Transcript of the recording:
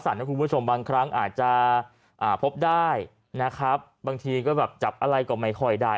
คุณผู้ชมบางครั้งอาจจะพบได้นะครับบางทีก็แบบจับอะไรก็ไม่ค่อยได้